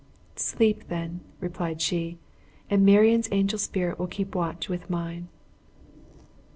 "Sleep, then," replied she, "and Marion's angel spirit will keep watch with mine."